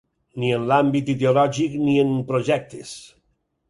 Ni en l’àmbit ideològic ni en projectes.